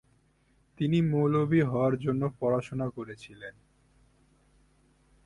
তিনি মৌলভী হওয়ার জন্য পড়াশোনা করেছিলেন।